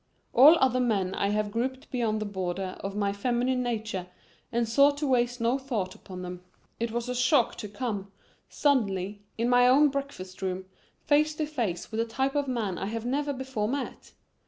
All other men I have grouped beyond the border of my feminine nature and sought to waste no thought upon them. It was a shock to come, suddenly, in my own breakfast room, face to face with a type of man I had never before met.